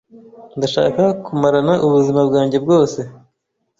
Ndashaka kumarana ubuzima bwanjye bwose.